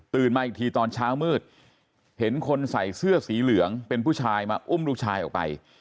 มาอีกทีตอนเช้ามืดเห็นคนใส่เสื้อสีเหลืองเป็นผู้ชายมาอุ้มลูกชายออกไป